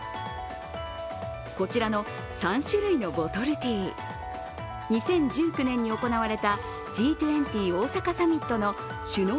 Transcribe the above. こちらの３種類のボトルティー、２０１９年に行われたＧ２０大阪サミットの首脳